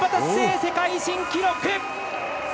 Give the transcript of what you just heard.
世界新記録！